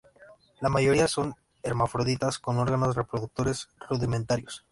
La mayoría son hermafroditas con órganos reproductores rudimentarios.